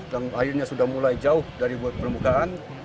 dan akhirnya sudah mulai jauh dari permukaan